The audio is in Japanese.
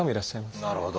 なるほど。